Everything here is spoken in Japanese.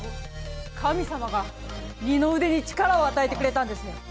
神様が二の腕に力を与えてくれたんですね。